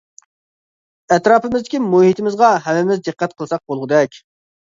ئەتراپىمىزدىكى مۇھىتىمىزغا ھەممىمىز دىققەت قىلساق بولغۇدەك.